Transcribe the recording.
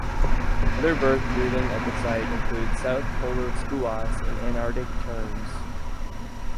Other birds breeding at the site include south polar skuas and Antarctic terns.